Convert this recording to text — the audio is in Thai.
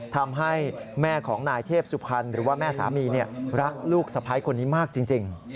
ทำให้แม่ของนายเทพสุพรรณหรือว่าแม่สามีรักลูกสะพ้ายคนนี้มากจริง